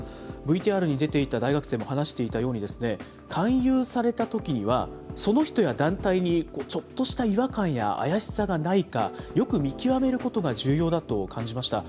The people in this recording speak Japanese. ＶＴＲに出ていた大学生も話していたように、勧誘されたときには、その人や団体にちょっとした違和感や怪しさがないか、よく見極めることが重要だと感じました。